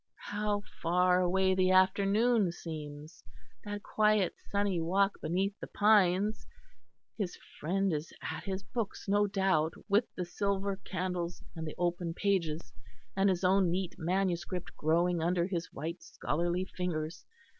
How far away the afternoon seems; that quiet sunny walk beneath the pines. His friend is at his books, no doubt, with the silver candles, and the open pages, and his own neat manuscript growing under his white scholarly fingers.